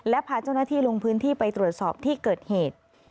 และพาเจ้าหน้าที่ลงพื้นที่ไปตรวจสอบที่เกิดเหตุ